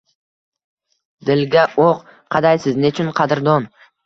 Dilga o’q qadaysiz nechun qadrdon?